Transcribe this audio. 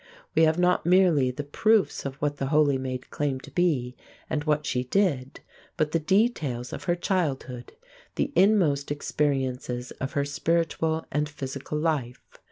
We have not merely the proofs of what the Holy Maid claimed to be and what she did, but the details of her childhood, the inmost experiences of her spiritual and physical life.